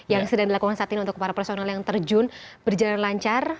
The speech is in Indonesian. yang sedang dilakukan saat ini untuk para personal yang terjun berjalan lancar